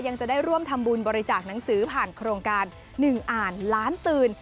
ยังจะได้ร่วมทำบุญบริจาคหนังสือผ่านโครงการ๑อ่านล้านตื่น